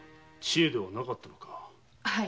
千恵ではなかったのか。